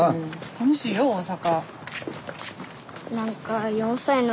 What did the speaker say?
楽しいよ大阪。